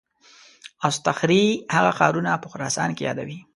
اصطخري هغه ښارونه په خراسان کې یادوي.